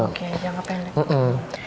oke jangan ke pendek